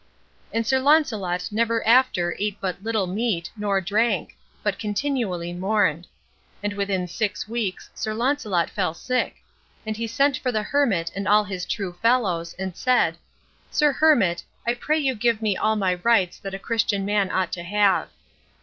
And Sir Launcelot never after ate but little meat, nor drank; but continually mourned. And within six weeks Sir Launcelot fell sick; and he sent for the hermit and all his true fellows, and said, "Sir hermit, I pray you give me all my rights that a Christian man ought to have."